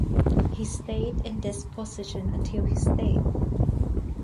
He stayed in this position until his death.